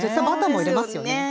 バターも入れますよね。